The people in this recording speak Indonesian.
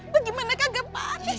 bagaimana kagak panik sih